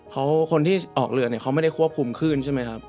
เขาคนที่ออกเรือเนี่ยเขาไม่ได้ควบคุมขึ้นใช่ไหมครับ